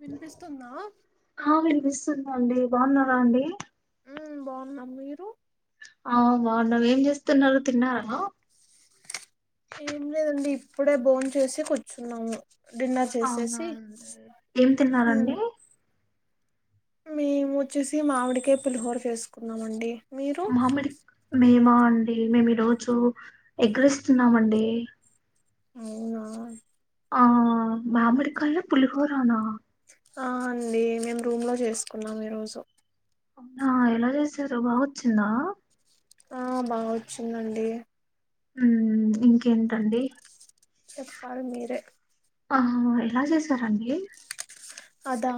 వినిపిస్తుందా? ఆ వినిపిస్తుందండి. బాగున్నారా అండి? మ్ బాగున్నాం. మీరు ఆ బాగున్నాము. ఏం చేస్తున్నారు తిన్నారా? ఏం లేదండి, ఇప్పుడే బోన్ చేసి కూర్చున్నాము. డిన్నర్ అవునా చేసేసి అండి ఏం తిన్నారండి మేము వచ్చేసి మామిడికే పులిహోర చేసుకున్నాం అండి. మామిడి మేమా అండి మేము ఈ రోజు ఎగ్ రైస్ తిన్నామండీ. అవునా? ఆ మామిడి కాయల పులిహోరనా? ఆ అండి మేము రూమ్ లో జేసుకున్నాం ఈ రోజు అవునా ఎలా చేసారు బావోచ్చిందా ఆ బాగొచ్చిందండి ఉమ్ ఇంకేంటండి చెప్పాలి మీరే ఆహహా ఎలా చేసారండి అదా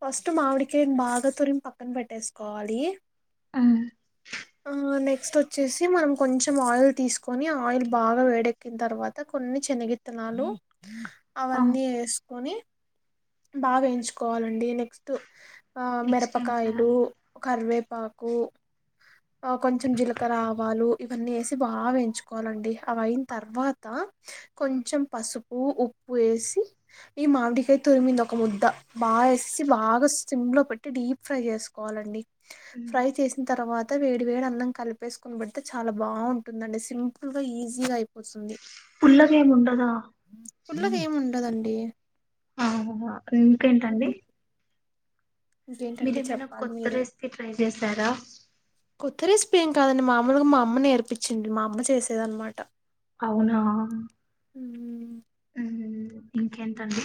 ఫస్ట్ మామిడికాయన్ బాగ తురిమి పక్కన పెట్టేసుకోవాలి ఆ ఆ నెక్స్ట్ ఒచ్చేసి మనం కొంచెం ఆయిల్ తీసుకొని ఆ ఆయిల్ బాగ వేడెక్కిన్తర్వాత కొన్ని శనగిత్ త్తనాలు ఆ అవన్నీ ఏసుకొని బాగ ఏయించుకోవాలండి నెక్స్ట్ నెక్స్ట్ ఏం మిరపకాయలు చేయాలి కరివేపాకు ఆ కొంచెం జీలకరా ఆవాలు ఇవన్నీ ఏసి బాగా వేయించుకోవాలండి అవయిన్తర్వాత కొంచెం పసుపు ఉప్పు ఏసి ఈ మామిడికాయ్ త్ తురిమిందొక ముద్ద బాగా వేసి బాగా సిమ్ లో పెట్టి డీప్ ఫ్రై చేసుకోవాలండి మ్మ్, ఫ్రై చేసిన్తర్వాత వేడి వేడి అన్నం కలిపేసుకొనిబేడితే చాలా బాగుంటుందండి సిమ్ ఫుల్గ ఈజీగా అయిపోతుంది పుల్లగేం ఉండదా పుల్లగేం ఉండదండి ఆ ఇంకేంటండి ఉమ్, ఇంకేంటండి మీరేమైనా చెప్పాలి కొత్త మీరే రెసిపీ ట్రై చేసారా కొత్త రెసిపీ ఏం కాదండి మామూలుగా మా అమ్మ నేర్పిచ్చింది మా అమ్మ చేసేదన్నమాట అవునా ఉమ్ ఉమ్ ఇంకేంటండి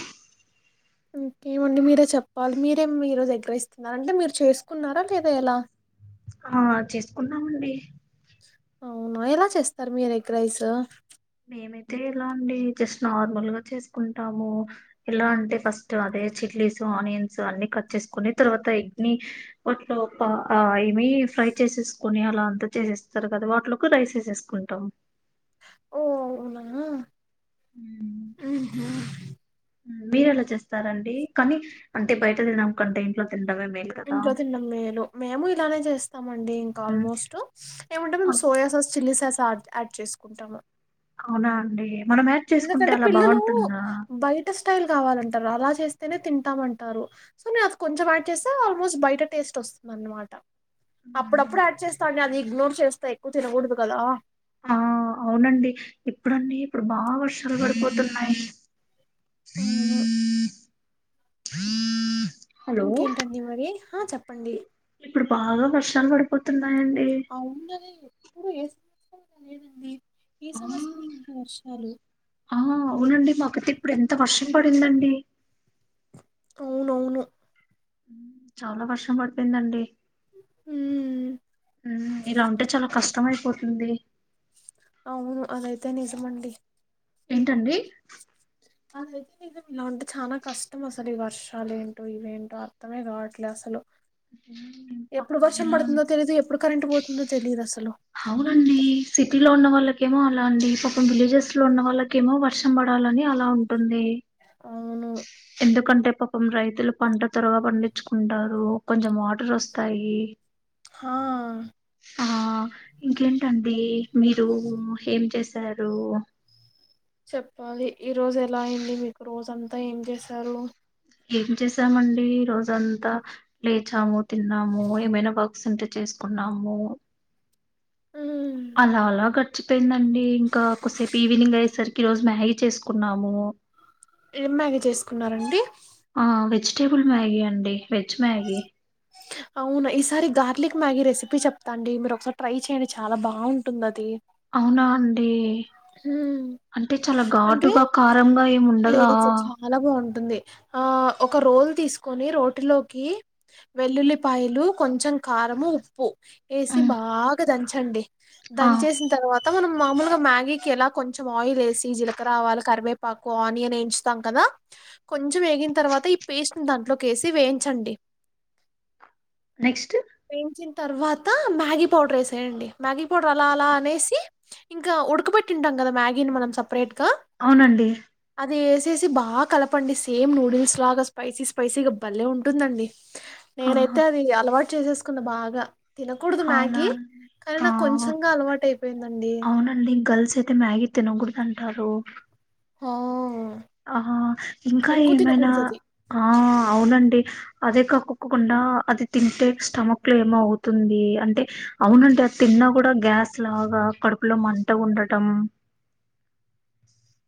ఇంకేమండి మీరే చెప్పాలి మీరేం ఈ రోజు ఎగ్రైస్ స్తున్నారంటే మీరు చేసుకున్నారా లేదా ఇలా ఆ చేసుకున్నామండి అవునా ఎలా చేస్తారు మీరు ఎగ్రైస్ మేమైతే ఎలా అండి జస్ట్ నార్మల్ గా చేసుకుంటాము ఎలా అంటే ఫస్ట్ అదే చిల్లీస్, ఆనియన్స్ అన్ని కట్ చేసుకుని తర్వాత ఎగ్ ని వాట్లో ఒక ఆ ఏమి ఫ్రై చేసేసుకుని అలా అంత చేసేస్తరు కదా వాటిలోకి రైస్ ఏసేసు కుంటాం ఓ అవునా ఉమ్ హు ఉమ్ మీరెలా చేస్తారండి కనీ అంటే బయట తినడం కంటే ఇంట్లో తినడమే మేలు కదా ఇంట్లో తినడం మేలు మేము ఇలానే చేస్తామండి ఇంకా మ్మ్. ఆల్మోస్ట్ ఏమంటే మేము అ- soya sauce chilli sauce add add చేసుకుంటాము అవునా అండి మనం యాడ్ చేసుకుంటే అలా బాగుంటుందా టల్ స్టైల్ కావాలంటారు అలా చేస్తేనే తింటామంటరు సో నేను అది కొంచెం యాడ్ చేస్తే ఆల్మోస్ట్ బయట టేస్ట్ వస్తుందన్నమాట అప్పుడప్పుడు యాడ్ చేస్త అండి అది ఇగ్నోర్ చేస్తా ఎక్కువ తినకూడదు కదా ఆ అవునండి ఇప్పుడండీ ఇప్పుడు బాగ వర్షాలు పడిపోతున్నాయి అవును హ ఇంకేంటండి మరి హా చెప్పండి ఇప్పుడు బాగా వర్షాలు పడిపోతున్నాయండి. ఆ ఉండది ఇప్పుడు ఏ సంవత్సరం లేదండి ఈ ఆ సంవత్సరమే ఏంటో వర్షాలు ఆ అవునండి మాకతే ఇప్పుడు ఎంత వర్షం పడిందండి అవునవును చాలా వర్షం పడిపోయింది అండి ఉమ్ అ ఇలా ఉంటే చాలా కష్టం అయిపోతుంది అవును అదైతే నిజమండి ఏంటండి ఇలా ఉంటే చాలా కష్టం అసలు ఈ వర్షం వర్షాలు ఏంటో ఇవేంటో అర్థమే కావట్లేదు అసలు ఉమ్, ఎప్పుడు పాపం వర్షం ఎలా పడుతుందో తెలీదు ఎప్పుడు కరెంట్ పోతుందో తెలిదు అసలు అవునండి సిటీలో ఉన్న వాళ్ళకేమో అలా అండి పాపం విలేజెస్ లో ఉన్న వాళ్ళకేమో వర్ షామ్ పడాలని అలా ఉంటుంది అవును ఎందుకంటే పాపం రైతులు పంట త్వరగా పండించుకుంటారు కొంచెం వాటర్ వస్తాయి హా ఆ ఇంకేంటండి మీరు ఏం చేస్తారు చెప్పాలి ఈ రోజు ఎలా అయింది మీకు రోజ్ అంతా ఏం చేశారు ఏం చేసామండి ఈ రోజంతా లేచాము తిన్నాము ఏమైనా వర్క్స్ ఉంటే చేసుకున్నాము ఉ అలా అలా గడిచిపోయిందండి ఇంకా కొసేపు ఈవినింగ్ అయ్యేసరికి ఈ రోజు మ్యాగీ చేసుకున్నాము ఏం మ్యాగీ చేసుకున్నారండి ఆ వెజిటేబుల్ మ్యాగీ అండి వెజ్ మ్యాగీ అవునా ఈసారి గార్లిక్ మ్యాగీ రెసిపీ చెప్తాఅండి మీరు ఒకసారి ట్రై చేయండి చాలా బాగుంటుంది అది అవునా అండి హ్మ్. అంటే చాలా అంటే ఘాటుగా కారంగా ఏమి ఉండదా లేదు చాలా బాగుంటుంది ఆ ఒక రోల్ తీసుకొని రోటిలోకి వెల్లుల్లిపాయలు కొంచెం కారము ఉప్పు వేసి ఉమ్, బాగా దంచండి ఆ దన్చేసిన తర్వాత మనం మామూలుగా మ్యాగీ ఎలా కొంచెం ఆయిల్ వేసి జీలకర్ర ఆవాలు కరివేపాకు ఆనియన్ వేయించుతాం కదా కొంచెం వేగిన తర్వాత ఈ పేస్ట్ ని దాంట్లోకి వేసి వేయించండి నెక్స్ట్ వేయించిన తర్వాత మ్యాగీ పౌడర్ వేసేయండి మ్యాగీ పౌడర్ అలా అలా అనేసి ఇంకా ఉడకబట్టింటాం కదా మ్యాగీని మనం సపరేట్ గా అవునండి అది వేసేసి బా కలపండి సేమ్ నూడిల్స్లాగా స్పైసీ స్పైసీగా భలే ఉంటుందండి ఆహా, నేనైతే అది అలవాటు చేసేసుకున్న బాగా తినకూడదు అవునా మ్యాగీ అండి కానీ నాకు కొంచెంగా అలవాటు అయిపోయిందండి అండి గర్ల్స్ అయితే మ్యాగీ తినకూడదు అంటారు హ ఆహ ఇంకా ఏమైనా ఆ అవునండి అదే కాక్కకుండా అది తింటే స్టమక్ లో ఏమో అవుతుంది అంటే అవునండి అది తిన్నా కూడా గ్యాస్ లాగా కడుపులో మంటగా ఉండటం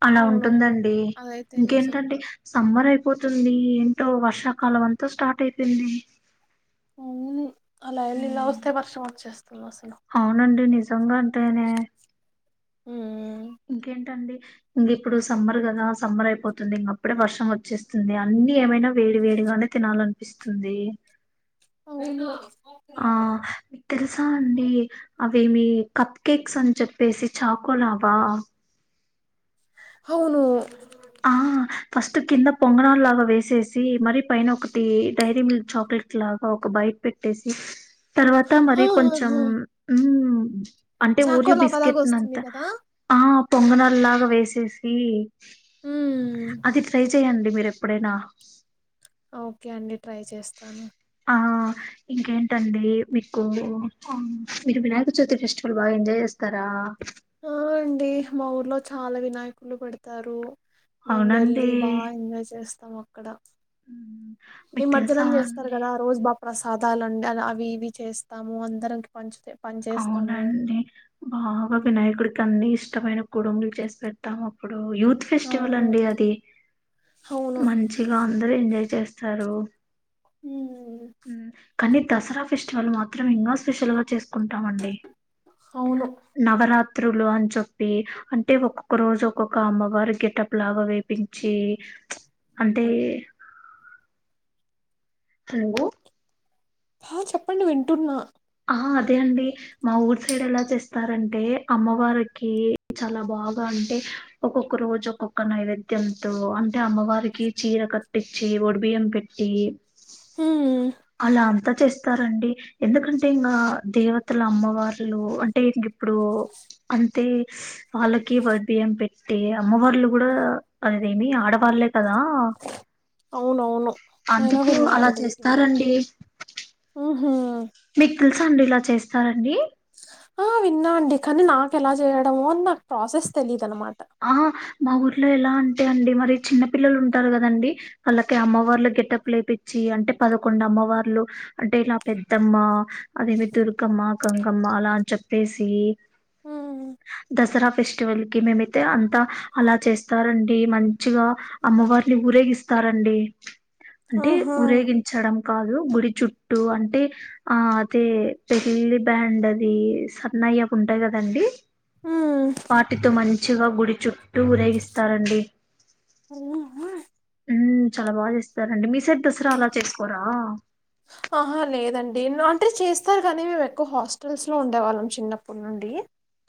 అలా అవునవును ఉంటుందండి అదైతే నిజం అంటే సమ్మర్ అయిపోతుంది ఏంటో వర్షాకాలం అంతా స్టార్ట్ అయిపోయింది అవును అలా వెళ్ళి ఇలా ఉమ్, వస్తే వర్షం వచ్చేస్తుంది అసలు అవునండి నిజంగా అంటేనే ఉమ్ ఇంకేంటండి ఉంది ఇప్పుడు సమ్మర్ కదా సమ్మర్ అయిపోతుంది ఇంక అప్పుడే వర్షం వచ్చేస్తుంది అన్ని ఏమైనా వేడి వేడిగానే తినాలనిపిస్తుంది అవును ఆ మీకు తెలుసా అండి అవేమి కప్ కేక్స్ అని చెప్పేసి చాకోలావా అవును ఆ ఫస్ట్ కింద పొంగణాలు లాగా వేసేసి మరీ పైన ఒకటి డైరీ మిల్క్ చాక్లెట్ లాగా ఒక బై పెట్టేసి తర్వాత ఆ, మరి ఆ, కొంచం ఆ. ఉమ్ అంటే చాకో ఓరియో బిస్కెట్ని అంత లవ్వలాగొస్తుంది కదా ఆ పొంగనాలు లాగా వేసేసి ఉమ్ అది ట్రై చెయ్యండి మీరు ఎప్పుడైనా ఓకే అండి ట్రై చేస్తాను ఆ ఇంకేంటండి మీకు ఉమ్ మీరు వినాయక చవితి ఫెస్టివల్ బాగా ఎంజాయ్ చేస్త కరా ఆ అండి మా ఊర్లో చాలా వినాయకులు పెడతారు మేం వెళ్ళి అవునండి బా ఎంజాయ్ చేస్తాం అక్కడ ఉమ్ నిమర్జనం చేస్తారు కదా ఆ రోజు బా ప్రసాదాలు అందరు అవి ఇవి చేస్తాము అందరికి పంచుతే అవునండి బాగా మ్మ్. వినాయకుడికి అన్ని ఇష్టమైన కూడుంగలు చేసి పెడతాము ఇప్పుడు యూత్ ఫెస్టివల్ అవును అండి అది అవును మంచిగా అందరు ఎంజాయ్ చేస్త తారు హమ్ హమ్ కానీ దసరా ఫెస్టివల్ మాత్రం ఇంకా స్పెషల్ గా చేసుకుంటాం అండి అవును నవరాత్రులు అని చెప్పి అంటే ఒక్కొక్క రోజు ఒక్కొక్క అమ్మవారు గెటప్ లాగా వేపించి అంటే హలో హా చెప్పండి వింటున్నా హా అదే అండి మా ఊరు సైడ్ ఎలా చేస్తారంటే అమ్మవారికి చాలా బాగా అంటే ఒక్కొక్క రోజు ఒక్కొక్క నైవేద్యంతో అంటే అమ్మవారికి చీర కట్టించి ఒడిబియ్యం పెట్టి ఈ మ్మ్ అలా అంతా చేస్తారండి ఎందుకన్ అంటే ఇంకా దేవతలు అమ్మవార్లు అంటే ఇంక ఇప్పుడు అంటే వాళ్ళకి వై ఒడిబియ్యం పెట్టి అమ్మ వాళ్లు కూడా అదిదేమి ఆడవాళ్లే కదా అవునవును నేను అందుకు విన్నా అలా చేస్తారండి ఆ హా మీకు తెలుసా అండి ఇలా చేస్తారండి ఆ విన్నాండి కానీ నాకు ఎలా చేయడమో అని నాకు ప్రాసెస్ తెలియదు అనమాట ఆ మా ఊర్లో ఎలా అంటే అండి మరి చిన్న పిల్లలు ఉంటారు కదండి వాళ్ళకి అమ్మవార్లు గెటప్ లేపిచ్చి అంటే పదకొండు అమ్మవార్లు అంటే ఇలా పెద్దమ్మ, అదేవి దుర్గమ్మ, గంగమ్మ అలా అని చెప్పేసి హ్మ్ దసరా ఫెస్టివల్ కి మే మే అంతా అలా చేస్తారండి మంచిగా అమ్మవారిని ఊరేగిస్తారండి అంటే ఆహా! ఊరేగించడం కాదు గుడి చుట్టూ అంటే ఆ అదే పెళ్ళి బ్యాండ్ అది సన్నయ్యాకు ఉంటాయి కదండి హ్మ్. వాటితో మంచిగా గుడి చుట్టూ ఊరేగిస్తారండి అవునా ఉ చాలా బాగా చేస్తారండి మీ సైడ్ దసరా అలా చేసుకోరా ఆహా లేదండి అంటే చేస్తారు కానీ మేము ఎక్కువ హాస్టల్స్ లో ఉండేవాళ్ళం చిన్నప్పటి నుండి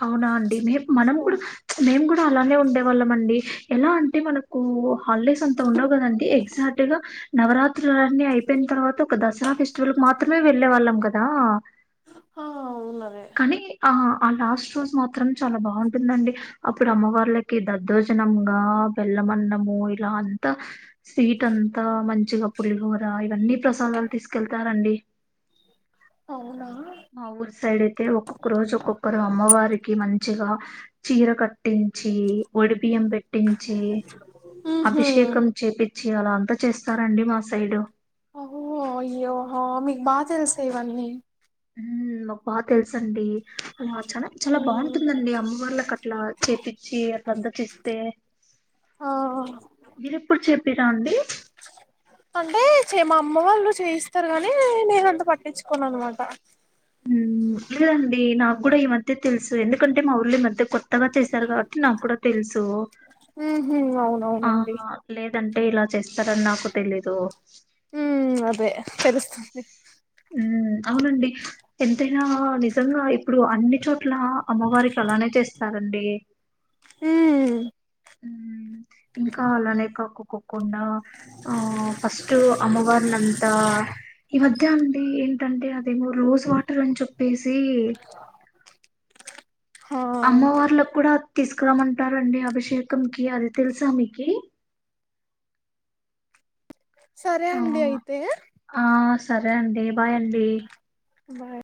అవునా అండి మే మనం సో కూడా ప్చ్ మేము కూడా అలానే ఉండే వాళ్ళం అండి ఎలా అంటే మనకు కూ హాలిడేస్ అంత ఉండవు కదండి ఎగ్జాక్ట్ గా నవరాత్రుల అన్నీ అయిపోయిన తర్వాత ఒక దసరా ఫెస్టివల్ మాత్రమే వెళ్ళే వాళ్ళం కదా ఆ అవున్నదే కానీ ఆ ఆ లాస్ట్ రోజు మాత్రం చాలా బాగుంటుందండి అప్పుడు అమ్మవళ్లకి దద్దోజనంగా బెల్లమన్నము ఇలా అంతా స్వీట్ అంతా మంచిగా పులిహోర ఇవన్నీ ప్రసాదాలు తీసుకెళ్తారండి అవునా మా ఊరు సైడ్ అయితే ఒక్కొక్క రోజు ఒక్కొక్కరు అమ్మవారికి మంచిగా చీర కట్టించి ఒడి బియం పెట్టి ట్టించి హుహు. అభిషేకం చేపిచ్చి అలా అంత చేస్తారండి మా సైడు హో అయ్యో హో మీకు బాగా తెలుసా ఇవన్నీ ఊ మాకు బాగా తెలుస అండి అలా చ చాలా హ్మ్. బాగుంటుందండి అమ్మవార్ల క అట్లా చేపిచ్చి అట్ గద్దకిస్తే ఆ! మీరుప్పుడు చెపిరా అండి అంటే చే మా అమ్మ వాళ్ళు చేయిస్తారు గాని నేనంత పట్టించుకోన అనమాట ఊ లేదండి నాకు కూడా ఈ మధ్య తెలుసు ఎందుకంటే మా ఊర్ళ ఈ మధ్య కొ కొత్తగా చేశారు కాబట్టి నాకు కూడా తెలుసు ఉహు అవును ఆ లేదంటే ఇలా చేస్తారని నాకు తెలీదు ఉ అదే తెలుస్తుంది ఉ అవునండి ఎంతైనా నిజంగా ఇప్పుడు అన్ని చో ట్లా అమ్మవారికి అలానే చేస్తారండి ఊ హ్మ్. ఇంకా అలానే కాక్కుకోకుండా ఆ ఫస్ట్ అమ్మవారినం త ఈ మధ్య అండి ఏంటంటే అదేమో రోజ్ వాటర్ అని చెప్పేసి ఆ! అమ్మవార్ళకి కూడా తీసుకురామంటారండి అభిషేకం కి అది తెలుసా మీకి సరే ఆ! అండి అయితే ఆ సరే అండి బాయ్ అండి బాయ్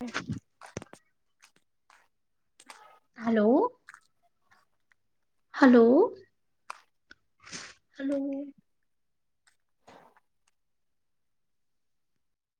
ఎ హలో హలో హలో